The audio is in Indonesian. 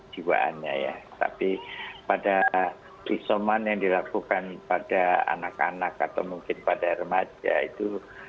jiwaannya ya tapi pada isoman yang dilakukan pada anak anak atau mungkin pada remaja itu